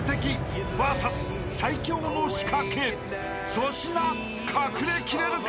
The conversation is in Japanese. ［粗品隠れきれるか！？］